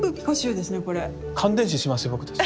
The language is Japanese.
感電死しますよ僕たち。